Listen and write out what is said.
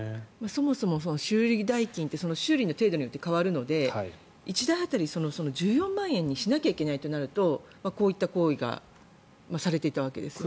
そもそも修理代金って修理の程度によって変わるので１台当たり１４万円にしなきゃいけないとなるとこういった行為がされていたわけですよね。